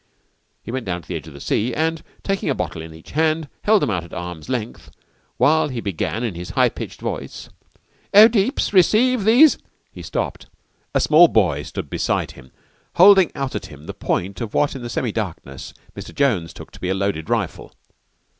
He went down to the edge of the sea and, taking a bottle in each hand, held them out at arms' length, while he began in his high pitched voice, "O deeps, receive these " He stopped. A small boy stood beside him, holding out at him the point of what in the semi darkness Mr. Jones took to be a loaded rifle.